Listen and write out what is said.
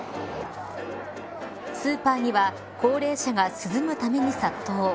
スーパーには高齢者が涼むために殺到。